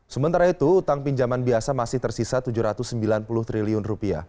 sementara itu utang pinjaman biasa masih tersisa rp tujuh ratus sembilan puluh triliun